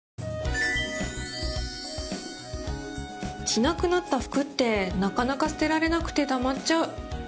着なくなった服ってなかなか捨てられなくてたまっちゃう